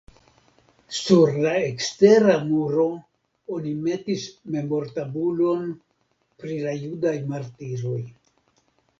Sur la ekstera muro oni metis memortabulon pri la judaj martiroj.